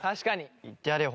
いってやれよ